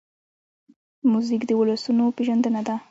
موزیک د ولسونو پېژندنه ده.